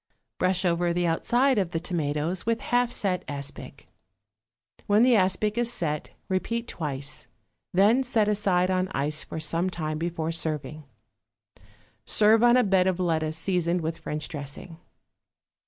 Brush over the outside of the tomatoes with half set aspic; when the aspic is set, repeat twice, then set aside on ice for some time before serving. Serve on a bed of lettuce seasoned with French dressing.